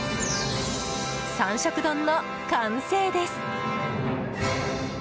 三色丼の完成です。